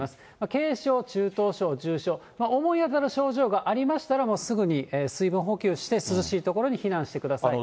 軽症、中等症、重症、思い当たる症状がありましたら、すぐに水分補給して涼しい所に避難してください。